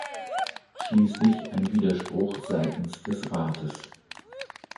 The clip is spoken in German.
Schließlich ein Widerspruch seitens des Rates.